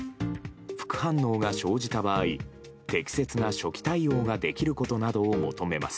副反応が生じた場合、適切な初期対応ができることなどを求めます。